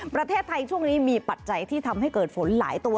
ประเทศไทยช่วงนี้มีปัจจัยที่ทำให้เกิดฝนหลายตัว